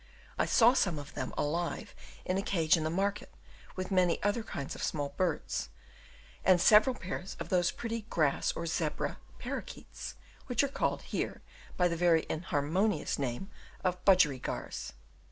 I saw some of them alive in a cage in the market with many other kinds of small birds, and several pairs of those pretty grass or zebra paroquets, which are called here by the very inharmonious name of "budgerighars."